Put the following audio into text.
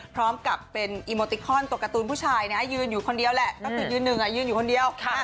พร้อมกับเป็นอีโมติคอนตัวการ์ตูนผู้ชายนะยืนอยู่คนเดียวแหละก็คือยืนหนึ่งยืนอยู่คนเดียว